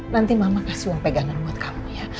nanti mama kasih uang pegangan buat kamu ya